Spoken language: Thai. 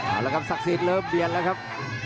อ่ะแล้วก็ศักดิ์สิรเริ่มเบียนแล้วครับ